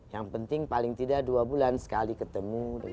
yang penting paling tidak dua bulan sekali ketemu